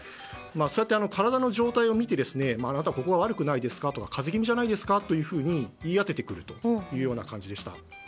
それで体の状態を診てあなた、ここが悪くないですかとか風邪気味じゃないですかとか言い当ててくるという感じでした。